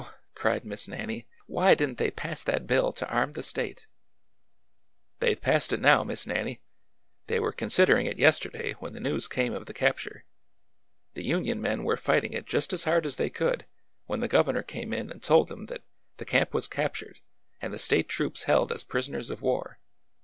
cried Miss Nannie. ''Why didn't they pass that bill to arm the State !"" They 've passed it now. Miss Nannie. They were considering it yesterday when the news came of the cap ture. The Union men were fighting it just as hard as they could when the governor came in and told them that the camp was captured and the State troops held as pris oners of war.